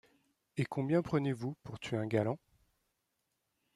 Et combien prenez-vous pour tuer un galant ?